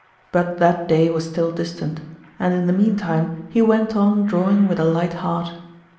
But that day was still distant, and in the mean time he went on drawing with a light heart.